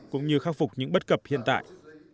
cũng như khắc phục những bất cập hiện tại